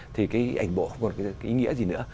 thì cái ảnh bộ không còn cái ý nghĩa gì nữa